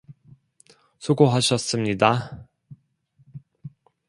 수고하셨습니다